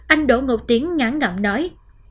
anh đỗ ngục tiến ngắn ngẩm nói